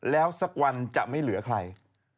แล้วสักวันจะไม่เหลือใคร